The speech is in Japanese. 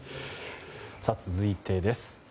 続いてです。